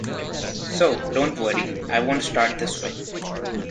So, don’t worry, I won’t start this way.